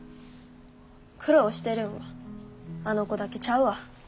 苦労してるんはあの子だけちゃうわ。